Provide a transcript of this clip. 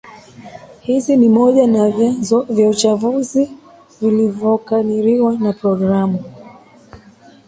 Hizi ni pamoja na vyanzo vya uchafuzi vilivyokadiriwa na programu